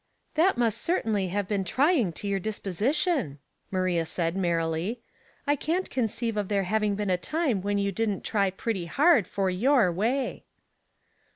" That must certainly have been trying to your disposition," Maria said, merrily. " 1 can't conceive of there having been a time when you didn't try pretty hard for your way."